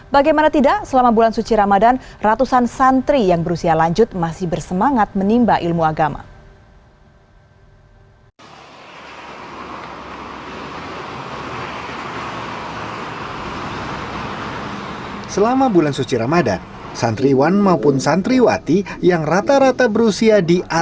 bagaimana tidak selama bulan suci ramadan ratusan santri yang berusia lanjut masih bersemangat menimba ilmu agama